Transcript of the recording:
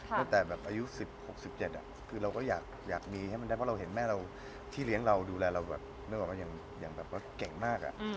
ตั้งแต่อายุ๑๖๑๗คือเราก็อยากมีให้มันได้เพราะเราเห็นแม่ที่เลี้ยงเราดูแลเราแบบเก่งมาก